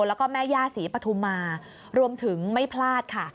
แล้วก็แม่ย่าศรีปฐุมารวมถึงไม่พลาดค่ะ